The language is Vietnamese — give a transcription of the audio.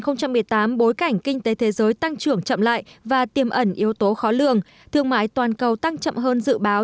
năm hai nghìn một mươi tám bối cảnh kinh tế thế giới tăng trưởng chậm lại và tiềm ẩn yếu tố khó lường thương mại toàn cầu tăng chậm hơn dự báo